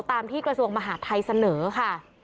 ตามที่กระทรวงมหาดไทยเสนอค่ะ